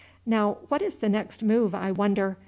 Now, what is the next move, I wonder?